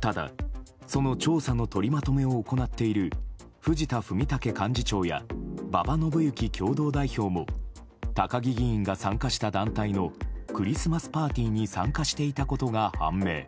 ただ、その調査の取りまとめを行っている藤田文武幹事長や馬場伸幸共同代表も高木議員が参加した団体のクリスマスパーティーに参加していたことが判明。